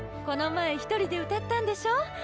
この前１人で歌ったんでしょ？